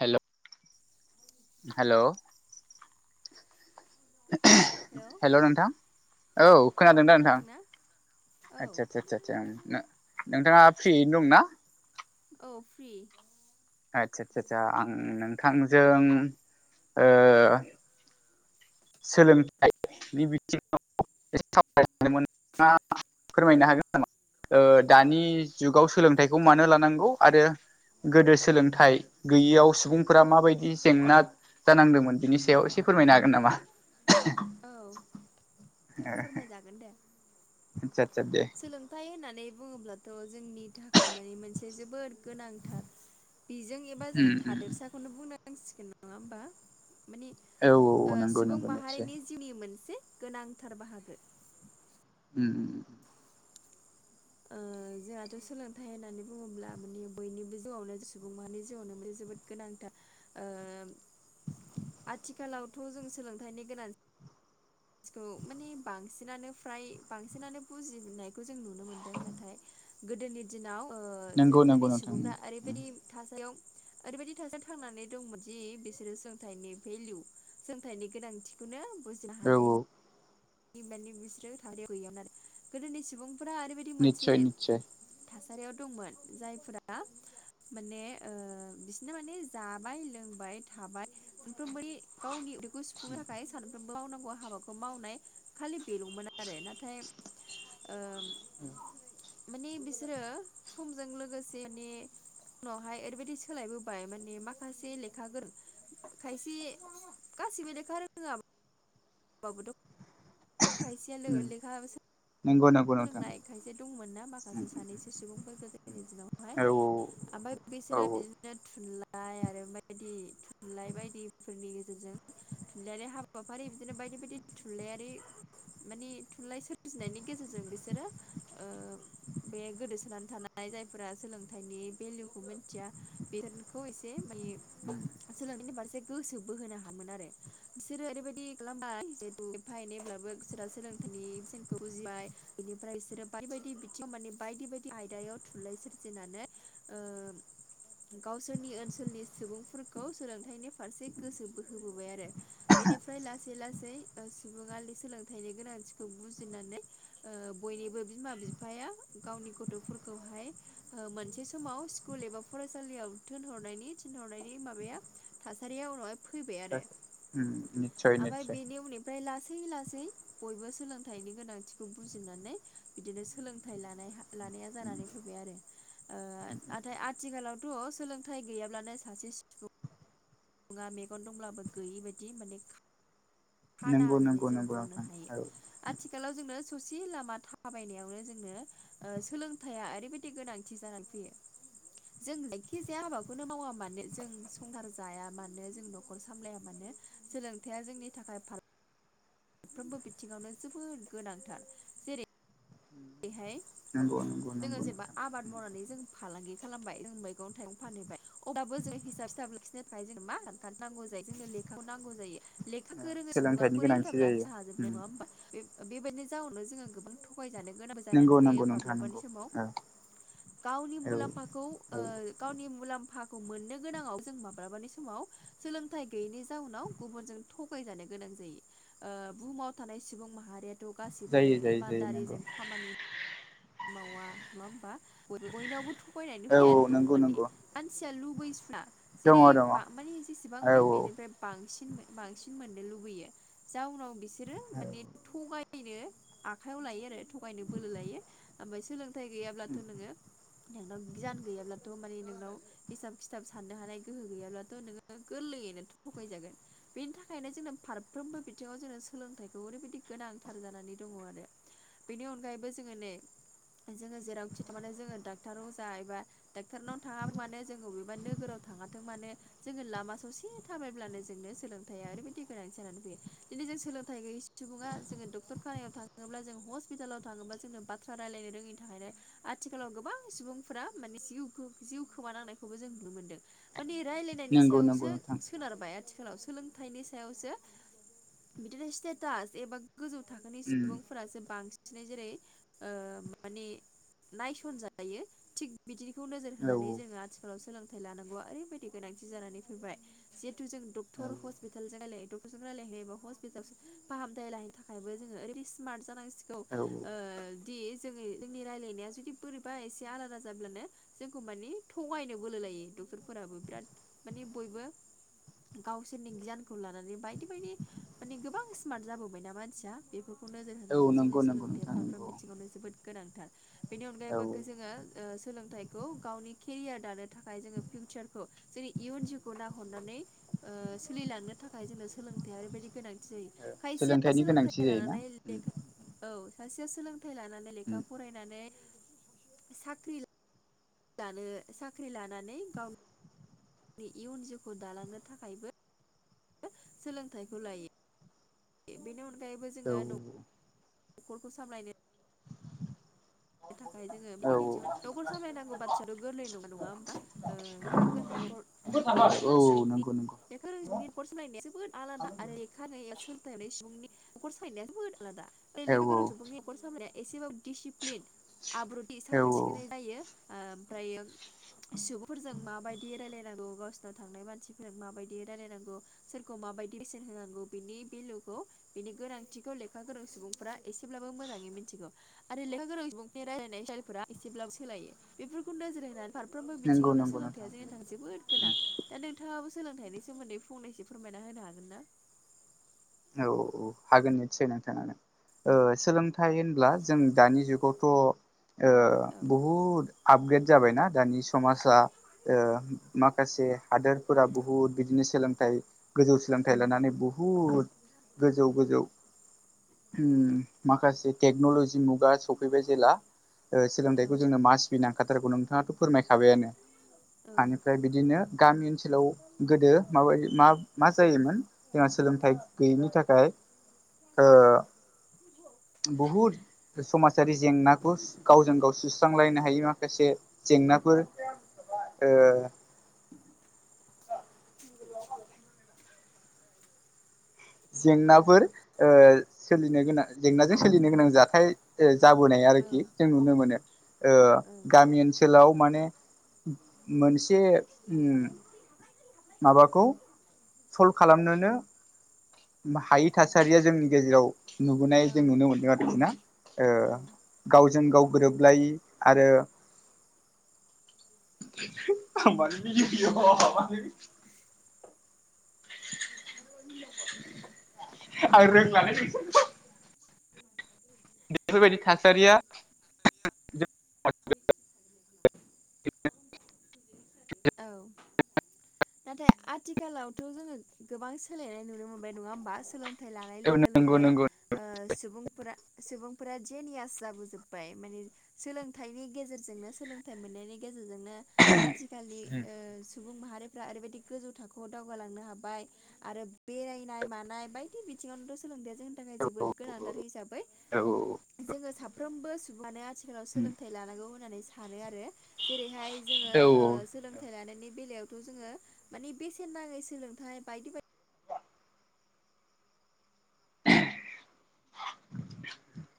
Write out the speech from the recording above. हेल' hello hello hello नोंथां औ खोनादों दा नोंथां औ आदचा चाचा उम नोंथाङा फ्रियैनो दं ना? औ फ्रि। आदसा आदसा सा आं नोंथांजों ओ सोलोंथाइनि बिथिङाव सावरायनो मोना [unintelligible] फोरमायनो हागोन नामा ओ दानि जुगाव सोलोंथाइखौ मानो लानांगौ आरो गोदो सोलोंथाइ गैयियाव सुबुंफोरा माबायदि जेंना जानांदोंमोन बिनि सायाव एसे फोरमायनो हागोन नामा? औ फोरमायजागोन दे आतसा आतसा दे। सोलोंथाइ होननानै बुङोब्लाथ' जोंनि थाखाय माने मोनसे जोबोद गोनांथार। बेजों एबा जों उम उम थादोरसाखौनो बुंनां सिगोन नङा होमबा माने औ औ ओ नंगौ सुबुं नंगौ निसय माहारिनि जिउनि मोनसे गोनांथार बाहागो। उम उम। ओ जोंहाथ' सोलोंथाइ होननानै बुङोब्ला माने बयनिबो जिउआवनो सुबुं माहारिनि जिउआवनो माने जोबोद गोनांथार ओम आथिखालावथ' जों सोलोंथाइनि गोनांथ थिखौ माने बांसिनानो फ्राय बांसिनानो बुजिनायखौ जों नुनो मोनदों नाथाय गोदोनि दिनाव ओ जों नंगौ नंगौ गोदोनि नोंथां सुबुंफ्रा ओरैबायदि थासारियाव ओरैबायदि थासारियाव थांनानै दंमोन जि बिसोरो सोलोंथाइनि भेलु सोलोंथाइनि गोनांथिखौनो बुजिनो औ हानाय औ दि माने बिसोरो थारियाव गैयामोन आरो गोदोनि सुबुंफोरा ओरैबायदि मोनसे निस्सय निस्सय थासारियाव दंमोन जायफोरा माने ओ बिसोरनो माने जाबाय लोंबाय थाबाय दाथ' गावनि उदैख खौ सुफुंनो थाखाय सानफ्रोमबो मावनांगौ हाबाखौ मावनाय खालि बेल'मोन आरो नाथाय ओम ओ माने बिसोरो समजों लोगोसे माने उनावहाय ओरैबायदि सोलायबोबाय माने माखासे लेखा गोरों खायसे गासिबो लेखा रोङा बाबोथ' खायसेया लो लेखा सो नोंगौ नोब सोलोंनाय खायसे दंमोन ना माखासे सानैसो सुबुंफोरखौ जोंनि औ दिनावहाय ओमफाय औ बिसोरो बि दिनो थुनलाइ आरो बायदि थुनलाइ बायदिफोरनि गेजेरजों थुनलाइयारि हाबाफारि बिदिनो बायदि बायदि थुनलाइयारि माने थुनलाइ सोरजिनायनि गेजेरजों बिसोरो ओ बे गोदोसोनानै थानाय जायफोरा सोलोंथाइनि भेलुखौ मिथिया बेथोनखौ एसे माने उम सोलोंथाइनि फारस बे गोसो बोहो हामोन आरो बिसोरो ओरैबायदि खालामबाय जे एफाय एनैब्लाबो बिसोरा सोलों गोदोनि सेनखौ बुजिबाय। बेनिफ्राय इसोरो बायदि बायदि बिथिङाव माने बायदि बायदि आयदायाव थुनलाइ सोरजिनानै ओ‌ गावसोरनि ओनसोलनि सुबुंफोरखौ सोलोंथाइनि फारसे गोसो बोहोबोबाय आरो। बेनिफ्राय लासै लासै ओ सुबुंआ सोलोंथाइनि गोनांथिखौ बुजिनानै। ओ बयनिबो बिमा बिफाया गावनि गथ'फोरखौहाय ओ मोनसे समाव स्कुल एबा फरायसालियाव थोनहरनायनि थिनहरनायनि माबाया थासारिया उनावहाय फैबाय आरो। उम निस्सय आमफाय निस्सय बेनि उननि फ्राय लासै लासै बयबो सोलोंथाइनि गोनांथिखौ बुजिनानै बिदिनो सोलोंथाइ लानाय हा लानाया जानानै फैबाय आरो ओ नाथाय आथिखालावथ' सोलोंथाइ गैयाब्लानो सासे नुआ मेगन दंब्लाबो गैयि बादि माने खा खाना नंगौ होननानै नंगौ जों नंगौ बुंनो नोंथां हायो। औ आथिखालाव जोंनो ससे लामा थाबायनायावनो जोंनो ओ सोलोंथाइया ओरैबायदि थि गोनांथि जानानै फैयो। जों जायखि जाया हाबाखौनो मावा मानो जों संसार जाया मानो जों न'खर सामलाया मानो। सोलोंथाइया जोंनि थाखाय फाराग मोनफ्रोमबो बिथिङावनो जोबोर गोनांथार। ओरैहाय नंगौ नंगौ जोङो नंगौ जेनेबा नोंथां आबाद मावनानै जों फालांगि खालामबाय जों मैगं थाइगं फानहैबाय अब्लाबो जों हिसाब सिथाब लाखिनो थाखाय जों मा नांगौ जायो जोंनो लेखाखौ नांगौ जायो लेखा गोरोङै सुबुङानो सोलोंथाइनि बोरै गोनांथि हेेलप जायो लाखिनो उम हाजोबनो नङा होनबा? बेबायदिनो जाउनाव जोङो गोबां थगायजानाय जानानै नंगौ नंगौ फैयो नोंथां माब्लाबानि नंगौ समाव औ गावनि औ मुलाम्फाखौ ओ औ गावनि मुलाम्फाखौ मोननो गोनाङाव जों माब्लाबानि समाव सोलोंथाइ गैयैनि जाउनाव गुबुनजों थगायजानो गोनां जायो। ओ बुहुमाव थानाय सुबुं माहारिया गासिबो जायो जायो जायो नंगौ इमानदारिजों खामानि मावा नङा होमबा बयनावबो थगायनानै औ फैया औ दं नंगौ माने। नंगौ मानसिया लुबैसुला दङ दङ जेरै औ बा मानि जेसेबां औ मानो बेनिफ्राय बांसिन बांसिन मोननो लुबैयो जाउनाव बिसोरो माने थगायनो आखाइयाव लायो आरो थगायनो बोलो लायो। ओमफाय सोलोंथाइ गैयाब्लाथ' नोङो नोंनाव गियान गैयाब्लाथ' मानि नोंनाव हिसाब खिथाब साननो हानाय गोहो गैयाब्लाथ' नोङो गोरलैयैनोथ' थगायजागोन। बेनि थाखायनो जोंनो फारफ्रोमबो बिथिङाव जोंनो सोलोंथाइखौ ओरैबायदि गोनांथार जानानै दङ आरो। बेनि अनगायैबो जोङो नै। जोङो जेरावखि थारमाने जोङो डाक्टार अजा एबा डाक्ट'रनाव थाङा मानो जों अबेबा नोगोराव थाङाथों मानो। जोङो लामा ससे थाबायब्लानो जोंनो सोलोंथाइया ओरैबायदि गोनांथि जानानै फैयो दिनै जों सोलोंथाइ गोयै सुबुङा जोङो डक्टर खानायाव थाङोब्ला जों हस्पिटालाव थाङोब्ला जोंनो बाथ्रा रायलायनो रोङिनि थाखायनो आथिखालाव गोबां सुबुंफोरा माने जिउ जिउ खोमानांनाय खौबो जों नुनो मोनदों मानि रायलायनायनि नंगौ नंगौ सायावसो नोंथां सोनारबाय आथिखालाव सोलोंथाइनि सायावसो। बिदिनो स्टेटास एबा गोजौ थाखोनि उम सुबुंफोरासो बांसिनै जेरै ओ माने नायसनजायो थिग बिदिखौ नोजोर औ होनानै जोङो आथि खालाव सोलोंथाइ लानांगौआ ओरैबायदि गोनांथि जानानै फैबाय। जिहेथु जों औ डक्टर हस्पिटालजों रायलायो डक्टरजों रायलायहायोबा हस्पिटालसिम फाहामथाय लाहैनो थाखायबो जोङो ओरैदि स्मार्ट जानांसिगौ औ ओ औ दि जोङो जोंनि रायज्लायनाया जुदि बोरैबा एसे आलादा जाब्लानो। जोंखौ माने थगायनो बोलो लायो डक्टरफोराबो बिराद माने बयबो। गावसोरनि गियानखौ लानानै बायदि बायदि माने गोबां स्मार्ट जाबोबायना मानसिया बे बेफोरखौ नोजोर होनानै औ जोङो नंगौ नंगौ सोलोंथायाइया नोंथां फारफ्रोम नंगौ बिथिङावनो जोबोद गोनांथार बेनि अनगायैबो औ औ जोङो। ओ सोलोंथाइखौ गावनि केरियार दानो थाखाय जोङो फिउचारखौ जोंनि इयुन जिउखौ नाहरनानै। ओ सोलिलांनो थाखाय जोंनो सोलोंथाइया ओरैबायदि गोनांथि जायो। खायसेया सोलोंथाइनि गोनांथि सोलोंथाइ जायोना लानानै लेखा औ सासेया सोलोंथाइ लानानै लेखा फरायनानै साख्रि दानो साख्रि लानानै गाव आंनि इयुन जिउखौ दालांनो थाखायबो [unintelligible] सोलोंथाइखौ लायो। बेनि अनगायैबो जोङो औ न'खरखौ सामलायनो थाखाय जोङो औ बिदि न'खर सामलायनांगौ बाथ्रायाथ' गोरलै नङा नङा होमबा लेखा गोरों नखर लेखा औ गोरों औ सुबुंनि नंगौ नंगौ बेखौ सुबुंनि करस सोलायनाया जोबोद आलादा आरो बेखा सोलथाय सुबुंनि नखर सालायनायाथ बबोद आलादा ओय औ लेखा औ गोरों सुबुंनि नखर सालायनाया एसेब्लाबो दिसिप्लिन आब्रुथि औ साखोन औ सिखोनै जायो ओमफ्रायो सुबुंफोरजों माबायदि रायलायनांगौ गावसोरनाव थांनाय मानसिफोरजों माबायदि रायलायनांगौ सोरखौ माबायदि बेसेन होनांगौ बिनि बेलुखौ बिनि गोनांथिखौ लेखा गोरों सुबुंफोरा एसेब्लाबो मोजाङै मिथिगौ आरो लेखा गोरों सुबुं रायलायनाय जायफोरा एसेब्लाबो सोलायो बेफोरखौ नोजोर होनानै फारफ्रोमबो नंगौ बिथिङावनो नंगौ सोलोंथायया नोंथां जोंनि थां जोबोद गोनां दा नोंथाङाबो सोलोंथाइनि सोमोन्दै फंनैसो फोरमायना होनो हागोन ना औ औ हागोन निसै नोंथां हागोन ओ सोलोंथाइ होनब्ला जों दानि जुगावथ' औ बहुद आपग्रेद जाबायना दानि समाजा माखासे हादोरफोरा बुहुद बिदिनो सोलोंथाइ गोजौ सोलोंथाइ लानानै बुहुद गोजौ गोजौ माखासे टेक्नलजि मुगा सफैबाय जेब्ला ओ सोलोंथाइखौ जोंनो मास बि नांखाथारगौ नोंथाङाथ' फोरमायखाबायानो औ हानिफ्राय बिदिनो गामि ओनसोलाव गोदो माबायदि मा मा जायोमोन जोंहा सोलोंथाइ गैयैनि थाखाय ओ ज [unintelligible] बुहुद समाजारि जेंनाखौ गावजों गाव सुस सांलायनो हायि माखासे जेंनाफोर [inaudible] जेंनाफोर ओ सोलिनो गोनां जेंनाजों सोलिनो गोनां जाथाय जाबोनाय औ आरोखि जों नुनो मोनो औ गामि ओनसोल थिनखोलाव माने मोनसे ओम माबाखौ सल्भ खालामनोनो हायै थासारिया जोंनि गेजेराव नुबोनाय औ जों नुनो मोन्दों आरोखि ना ओ गावजों गाव गोरोबलायि आरो आं मानो मिनिखो एयाव आं रोंलालै नोंसोरखौ बेफोरबायदि थासारिया औ नाथाय आथिखालावथ' जोङो गोबां सोलायनाय नुनो मोनबाय नङा होमबा सोलों [unintelligible] फोथाय लानाय औ लोगो नंगौ लोगो नंगौ सुबुंफोरा सुबुंफोरा जे नियास जाबोजोब्बाय माने सोलोंथाइनि गेजेरजोंनो सोलोंथाइ मोननायनि गेजेरजोंनो आथिखालनि सुबुं माहारिफ्रा ओरैबायदि गोजौ थाखोआव दावगालांनो हाबाय आरो बेरायनाय मानाय बायदि बिथिङावनोथ' सोलोंथाया जों जोबोद गोनांथार हिसाबै औ औ जोङो साफ्रोमबो सुबुं आनो आथिखालाव सोलोंथाइ लानांगौ होननानै सानो आरो जेरैहाय औ जोङो। सोलोंथाइ लानायनि बेलायावथ' जोङो मानि बेसेन नाङै सोलोंथाइ बायदि बाय [inaudible]